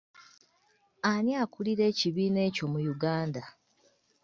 Ani akulira ekibiina ekyo mu Uganda?